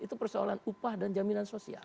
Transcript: itu persoalan upah dan jaminan sosial